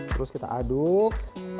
terus kita aduk